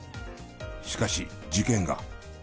しかし事件が。